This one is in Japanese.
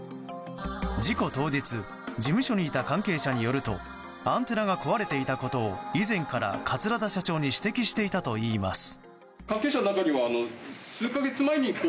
事故当日事務所にいた関係者によるとアンテナが壊れていたことを以前から桂田社長に指摘していたといいます。